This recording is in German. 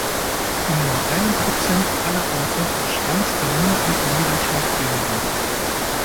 In nur einem Prozent aller Orte schwankt der monatliche Niederschlag weniger.